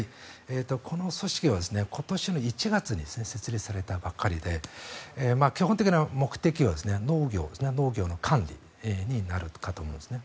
この組織は今年の１月に設立されたばかりで基本的な目的は農業の管理になるかと思うんですね。